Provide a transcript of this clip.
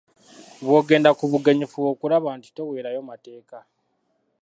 Bw'ogenda ku bugenyi fuba okulaba nti toweerayo mateeka.